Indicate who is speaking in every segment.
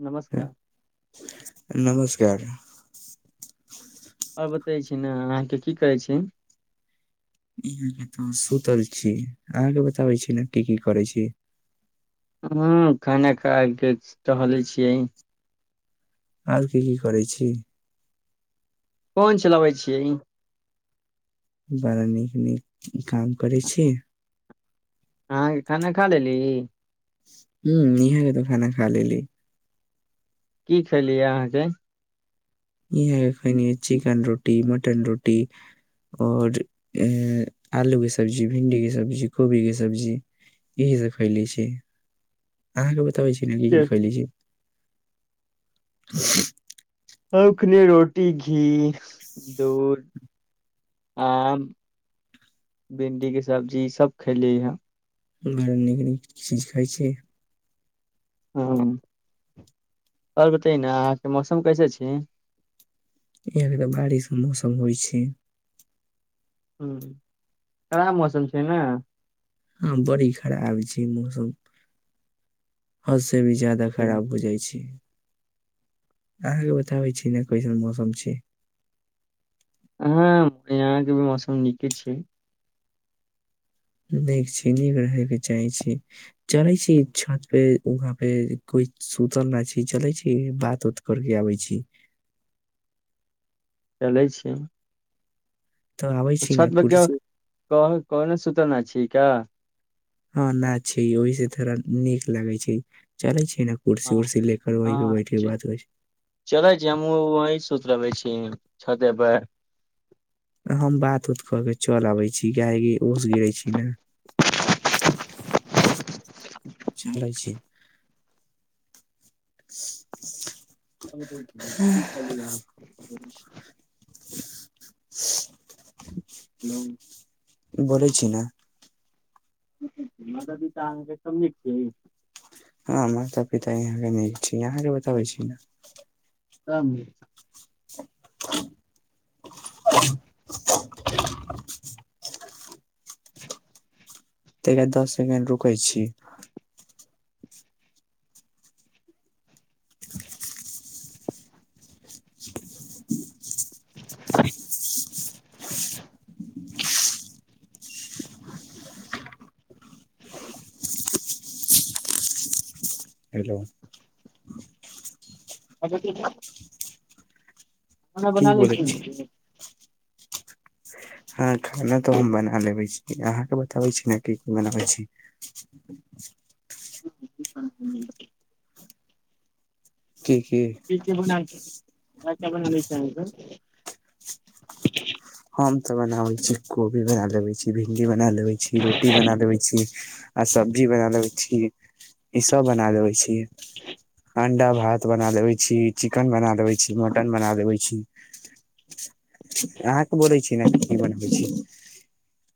Speaker 1: नमस्कार
Speaker 2: नमस्कार
Speaker 1: बतय छी ने अहाँके की करहै छी
Speaker 2: इहाँके तऽ सुतल छी अहाँके बताबै छी ने की की करै छी
Speaker 1: हं खाना खायकें टहलय छियै
Speaker 2: आर की की करै छी
Speaker 1: फोन चलाबय छियै
Speaker 2: बड़ा नीक नीक काम करै छी
Speaker 1: अहाँके खाना खा लेली
Speaker 2: हूं इहाँ के त' खाना खा लेली
Speaker 1: की खेलियै अहाँके
Speaker 2: इहे खयनि चिकन रोटी मटन रोटी और ए आलू के सब्जी भिंडी के सब्जी कोबी के सब्जी इहे सब खैले छी अहाँके ब तबै छी न की की खयली छी [inaudible]
Speaker 1: औखने रोटी घी दूध आम भिंडीके सब्जी ईसभ खेलियै हं
Speaker 2: बड़ा नीक नीक चीज खाइ छी
Speaker 1: हँ ओर बतयै ने अहाँके मौसम कैसे छै
Speaker 2: यहाँके तऽ बारिशके मौसम होइ छै
Speaker 1: ह्म्म खराब मौसम छै ने
Speaker 2: हँ बड़ी खराब छै मौसम हंस से भी ज्यादा खराब बुझाय छी अहांके बताबै छी कैसन मौसम छै
Speaker 1: हँ यहाँ के भी मौसम नीके छय
Speaker 2: नीक छी नीक रहय के चाहय छी चलै छी छत पे वहाँ पे कोइ सुतल नहि छै चलै छी बात उत करके आबै छी
Speaker 1: चलै छीय
Speaker 2: तऽ आबै छी ने
Speaker 1: छतमे के केहो
Speaker 2: कुर्सी
Speaker 1: कोनो कोनो सूतल ना छी क्या
Speaker 2: हँ ना छी ओहि से थोड़ा नीक लागे छै चले छी ने
Speaker 1: ह
Speaker 2: कुर्सी उर्सी लेकर वही पे बैठ के
Speaker 1: हँ
Speaker 2: बात करै छी
Speaker 1: चलै छी हमहु वही सुत लबै छी छते पर
Speaker 2: हम बात उत क के चल आबै [unintelligible] अो सो
Speaker 1: [inaudible]
Speaker 2: [inaudible]
Speaker 1: [inaudible]
Speaker 2: बलै छी ने
Speaker 1: [unintelligible]
Speaker 2: हँ माता पिता यहाँके नीक छै यहाँके बताबै छी ने
Speaker 1: तम
Speaker 2: [inaudible] [unintelligible] तऽरा दस सेकेंड रुकै छी
Speaker 1: [inaudible]
Speaker 2: हेलो
Speaker 1: [unintelligible] खाना बना
Speaker 2: की बोलै छी
Speaker 1: लेलि [unintelligible]
Speaker 2: हँ खाना तऽ हम बना लेबै छी अहाँके बताबै छी ने की बनाबै छी
Speaker 1: [unintelligible]
Speaker 2: की की
Speaker 1: [unintelligible] [unintelligible]
Speaker 2: हम तऽ बनाबै छी कोबी बना लेबै छी भिण्डी बना लेबै छी रोटी बना लेबे छी आ सब्जी बना लेबे छी ईसब बना लबे छी अणडा भात बना लेबे छी चिकेन बना लेबै छी मटन बना लबै छी आ बोले छि ना कि कि बनबे छि [unintelligible]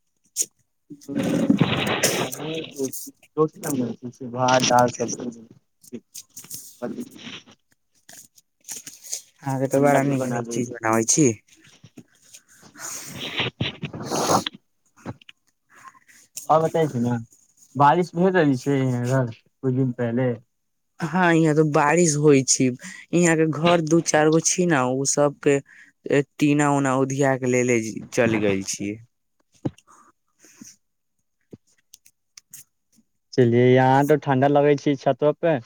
Speaker 2: [inaudible]
Speaker 1: [unintelligible] भात दाल सब्जी
Speaker 2: अहाँके तऽ बड़ा
Speaker 1: पंजाबी
Speaker 2: नीक
Speaker 1: बना
Speaker 2: नीक
Speaker 1: लै
Speaker 2: चीज
Speaker 1: छी।
Speaker 2: बनाबै छी
Speaker 1: हँ बताैछी ने बारिश भ रहली छै इधर कुछ दिन पहिले
Speaker 2: हँ यहाँ तऽ बारिश होइ छी यहाँ के घर दू चार गो छी ने ओ सबके टीना ऊना उधिया के लेले चलि गेल छीयै
Speaker 1: चलियै यहाँ तऽ ठण्डा लगै छै छतोपे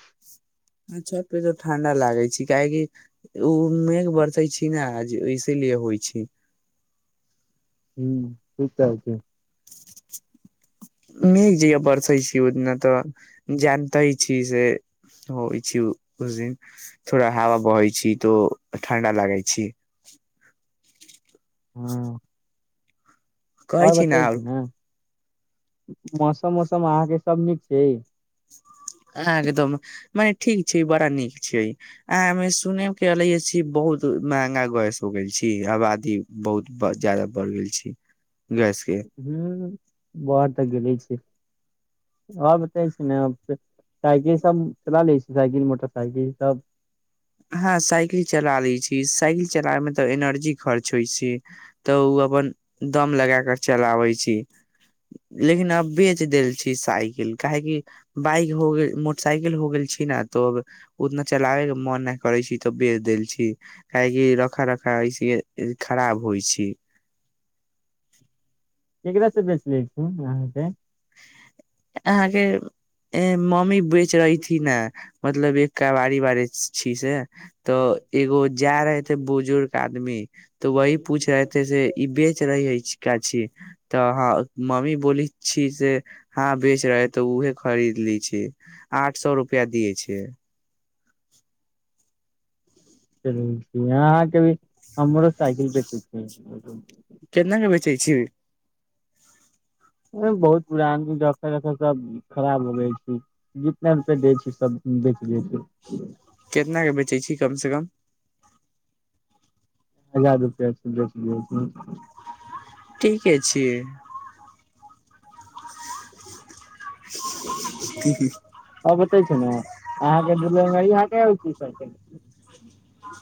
Speaker 2: ह छत पे तो ठण्डा लागै छै काहेकि ओ मेघ बरसै छी ने जे इसीलिए होइ छी
Speaker 1: ह ठीक कहै छै
Speaker 2: मेघ जेना बर्से छि [unintelligible] अही दिना तऽ जान [unintelligible] तै छी से होइ छी उस दिन थोड़ा हवा बहै छी तो ठण्डा लागै छी
Speaker 1: हँ
Speaker 2: कहै
Speaker 1: आओर
Speaker 2: छी
Speaker 1: बतै छै ने मौसम मौसम आ के सब नीक छै
Speaker 2: एकदम मने ठीक छै बड़ा नीक छै आमे सुने ख ली बहुत महंगा गयस हो गेल छी आबादी बहुत ज्यादा बढ़ गेल छी गैस के
Speaker 1: हू बर तऽ गेले छई आओर बै छै ने साइकिल सब चला लै छै [unintelligible] साइकिल मोटरसाइकिल सब
Speaker 2: हँ साइकिल चला लै छी साइकिल चलावे में तऽ एनर्जी खर्च होइ छी तऽ उ अपन दम लगा के चलावे छी लेकिन अब बेच देल छी साइकिल काहे कि बाइक हो गेल मोटरसाइकिल हो गेल छी न तो अब उतना चलाबे के मन ह करै छी तऽ बेच देल छी काहे कि रखा रखा ऐसे खराब होइ छी
Speaker 1: ककरासँ बेच लै छी अहाँके
Speaker 2: अहाँके--ऐ मम्मी बेच रही थी ना मतलब एक कबारी बारी छी से तऽ एगो जा रहे थे बुजुर्ग आदमी तऽ वही पूछ रहे थे से ई बेच रहीछ है का छि तऽ मामी बोलैछी जे हँ बेच रहे है तऽ उहे खरीद लैइ छी आठ सौ रुप्आ दियए छिअइ
Speaker 1: चलू अहाँके भी हमरो साइकिल बैटीक छई लगल
Speaker 2: चै छिअई
Speaker 1: बहुत पुरान सब खराब लगैछैइ जितना रूप दै छै सब बेच दै छै
Speaker 2: केतना के बेचै छी कमसँ कम
Speaker 1: हजार रुपआ छै छै [unintelligible]
Speaker 2: ठीके छिअई हि [unintelligible]
Speaker 1: बत छै ने अहाँके डीहाँल [unintelligible]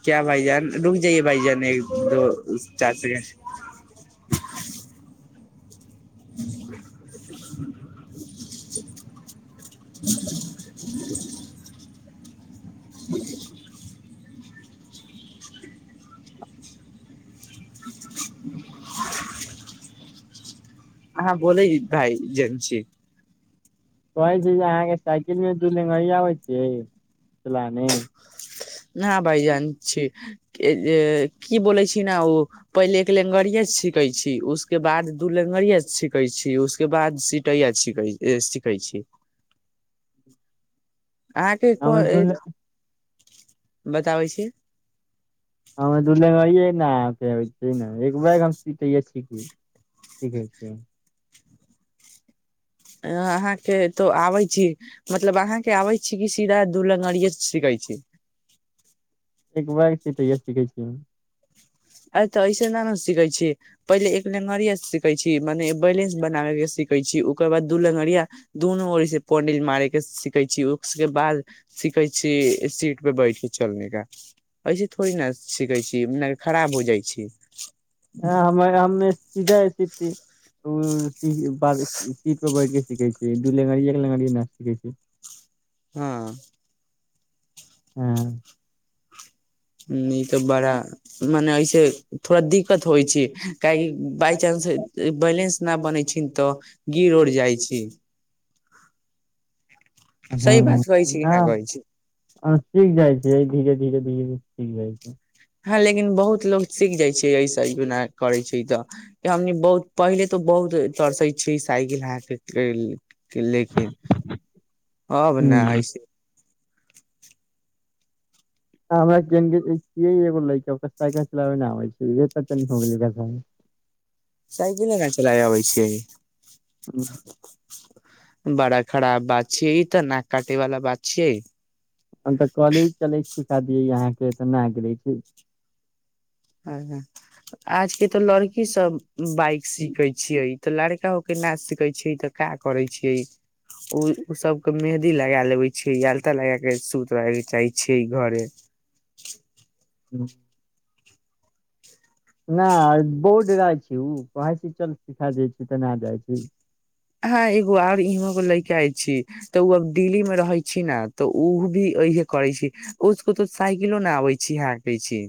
Speaker 2: क्या भाईजान रुक जाइये भाईजान ो [unintelligible] चारि से [inaudible] हँ बोलै भाईजेन छी
Speaker 1: कहै छै जे अहाँके साइकिल मे दू ल आबै छियै चलाने
Speaker 2: न भाई जान छी की बनैछ न ओ पहिले एक लेंगरिये सीखै छी उसके बाद दू लेंगरिया सीखै छी उसके बाद सिटैया सीखै छी आहां
Speaker 1: हमर
Speaker 2: कोई
Speaker 1: दू
Speaker 2: अई बताबै छी
Speaker 1: हममे दूलंगरिये ने आबैछ एक ब हम सीै छी सीखै छी
Speaker 2: अहाँके तो आबै छी मतलब अहाँके आबै छी कि सीधा दू लंगरिए सीखै छी
Speaker 1: एक बार से तैयोऽ सीखै छियै
Speaker 2: अ ते ऐसे न ने सीखे छी पहिले एक लेंगरिया सीखे छी मने बैलेंस बनाबे के सीखे छी ओकर बाद दू लेंगरिया दुनूरसे पोंडिल मारे के सीखे छी उस बाद सीखे छी सीट पे बैठ के चलने का ऐसे थोड़ी ने सीखे छी खराब हो जाइ छै
Speaker 1: ह हमरााममे सीधा सीख
Speaker 2: हँ
Speaker 1: हँ
Speaker 2: ई तऽ बड़ा मने ऐसे थोड़ा दिक्कत होइ छै काहेकि बाइचानंस बैलेंस न बनै छैन तऽ गिर उड़ जाइ छै सही बात कहै छी कि
Speaker 1: ह सीख जाइ छै धीरे धीरे धीरे सीख जाइ छै
Speaker 2: हँ लेकिन बहुत लोग सीख जाइ छै ऐसना करै छै तऽ हमनी बहुत पहिले तऽ बहुत तरसै छिय साइकिल हाके के लेल लेकिन अब न
Speaker 1: हूँ
Speaker 2: अइसे
Speaker 1: हमरा जइसन छिय एगो लड़का ओकरा साईकिल चलाब नहि अबय छै
Speaker 2: साइकिले न चलाय अबै छियै बड़ा खराब बात छियै इतऽ नाक काटे वाला बात छिय
Speaker 1: अ कॉलेज चलय छि दिय अहाँके तऽ न गेले छी
Speaker 2: हं ह आज के तऽ लड़की सब बाइक सीखे छियै तऽ लड़का हो के नाच सिखे छै तऽ का करे छिये ओ ओ सब के मेहदी लगा लेबे छ आलता लगा के सुत रहे के चाहे छिये घरे
Speaker 1: ह्म नहि बोर्ड रहै छै ओ कहै छी चल सिखा दै छी तऽ नहि जाइ छी
Speaker 2: हँ एगो आर इहो ले के आय छी तऽ ओ अब दिल्ली मे रहै छी ने तऽ ओ भी इहे करै छी उसको तो साइकिलो न आबै छी हकै छी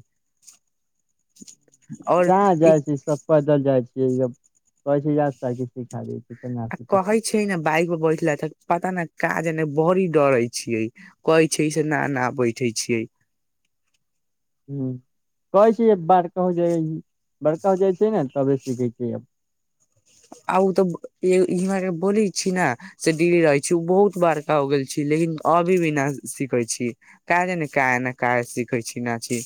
Speaker 2: और
Speaker 1: जह
Speaker 2: ई
Speaker 1: जाइ छी सब पैदल जाइ छै कहै छै कि सिखा दै छै तऽ ना
Speaker 2: आ कहै छै न बाइक बैठला पता नहि काज नहि बड़ी डरै छियै कहै छै से न न बैठे छियै
Speaker 1: ह कहै छीयै बार तू जे बड़का हो जाय छय तबे सीखय छए अब
Speaker 2: आ ओ तऽर बोली छी ने से डिरी रहै छी ओ बहुत बड़का हो गेल छी लेकिन अभी भी न सिखै छी क क क सिखै छी न छी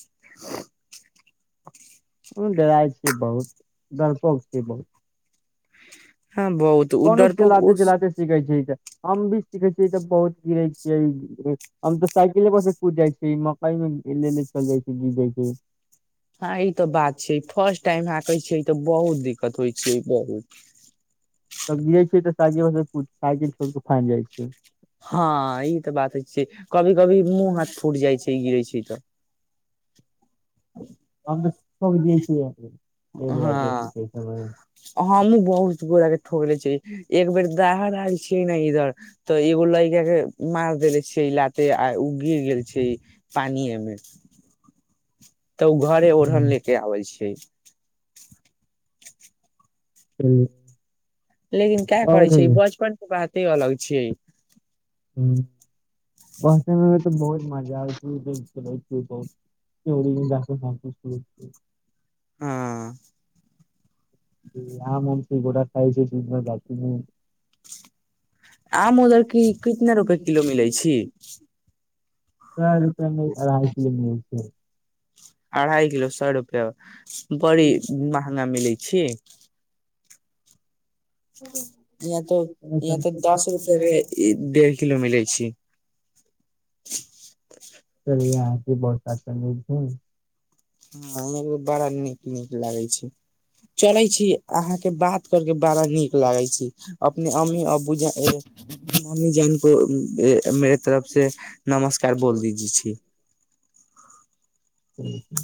Speaker 1: डेराइ छै बहुत डरपोक छै बहुत
Speaker 2: हँ बहुत ओ
Speaker 1: कोन
Speaker 2: डरपोक
Speaker 1: चलाते
Speaker 2: ओ
Speaker 1: चलाे सिखाय छै त हम भी सीखे छियै तऽ बहुत गिरे छियै हम तऽ साइकिले पर से कूद जाइ छीै मकई मेे चल जाइ छी गिरै छै
Speaker 2: हँ ई तऽ बात छै फर्स्ट टाइम अह कहै छियै तऽ बहुत दिक्कत होइ छै बहु
Speaker 1: तब गिय छै तऽ सा साइकिल छोड़ क फांग जाइ छै
Speaker 2: हँ ई तऽ बातइ छै कभी कभी मुँह हाथ फूटि जाइ छै गिरे छै तऽ [inaudible] हँ हमहुँ
Speaker 1: [unintelligible]
Speaker 2: बहुत गोड़ के ठोकले छै एक बेर दाहड़ आयल छियै ने इधर तऽ एगो लैका के मार देेले छियै लाते आ उ गिर गेल छै पानिये मे तऽ उ घरे ओढ़न
Speaker 1: हूँ,
Speaker 2: ले के आबे छै ठीक
Speaker 1: [inaudible]
Speaker 2: लेकिन का करै
Speaker 1: और है।
Speaker 2: छै बचपन के बात ते अलग छियै
Speaker 1: ह पहुचेमे बहुत मजा आबे छीये देखके बहुत
Speaker 2: हाँ
Speaker 1: आमम छै बङा खाय छै सुन्दर घाटमे
Speaker 2: आम उदर की कितना रुपे किलो मिलै छी
Speaker 1: चार रुपये मे अढ़ाइ किलो मीलै छी
Speaker 2: अढ़ाइ किलो सौ रुपया बड़ी
Speaker 1: छै
Speaker 2: महंगा मिलै छीक
Speaker 1: चलि
Speaker 2: इहाँ तऽ इहाँ तऽ दस रुपया मे डेढ़ किलो मिलै छै [inaudible]
Speaker 1: चल यहाँके बरसात क झ
Speaker 2: ह हम बड़ा नीक नीक लागे छै चलै छी अहाँके बात कर के बड़ा नीक लागै छी अपने अमी अब्बू जा अम्मी जान के मेेरे तरफ से नमस्कार बोल
Speaker 1: छै
Speaker 2: दीजी छी
Speaker 1: ह्म ह